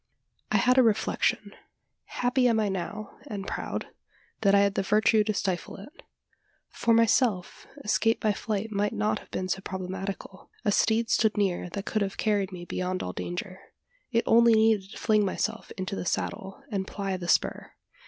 I had a reflection. Happy am I now, and proud, that I had the virtue to stifle it. For myself, escape by flight might not have been so problematical. A steed stood near that could have carried me beyond all danger. It only needed to fling myself into the saddle, and ply the spur.